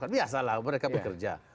biasalah mereka bekerja